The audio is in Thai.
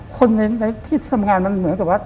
คนในที่ทำงานมันเหมือนกับว่า